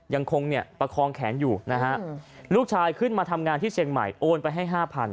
ยังคงเนี่ยประคองแขนอยู่นะฮะลูกชายขึ้นมาทำงานที่เชียงใหม่โอนไปให้๕๐๐